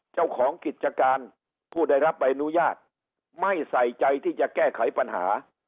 เจ้าของกิจการผู้ได้รับใบอนุญาตไม่ใส่ใจที่จะแก้ไขปัญหา